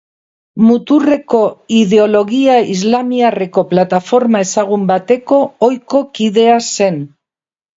Muturreko ideologia islamiarreko plataforma ezagun bateko ohiko kidea zen.